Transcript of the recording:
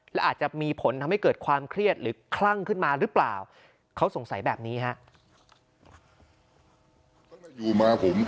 และอาจจะมีผลทำให้เกิดความเครียดหรือคลั่งขึ้นมาหรือเปล่าเขาสงสัยแบบนี้ฮะ